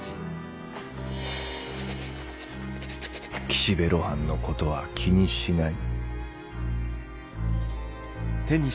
「岸辺露伴のことは気にしない」。